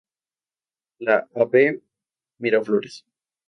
La Av Miraflores.